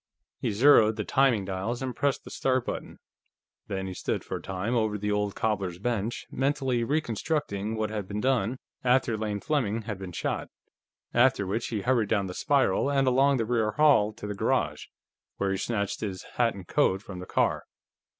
He zeroed the timing dials and pressed the start button. Then he stood for a time over the old cobbler's bench, mentally reconstructing what had been done after Lane Fleming had been shot, after which he hurried down the spiral and along the rear hall to the garage, where he snatched his hat and coat from the car.